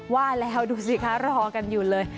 ว่าแล้วดูสิคะรอกันอยู่เลย